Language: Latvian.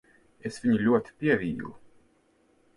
Es viņu ļoti pievīlu.